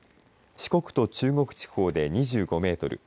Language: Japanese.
四国と中国地方で２５メートル